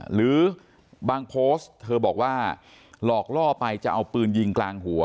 หรือบางโพสต์เธอบอกว่าหลอกล่อไปจะเอาปืนยิงกลางหัว